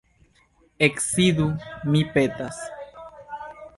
Eksidu, mi petas.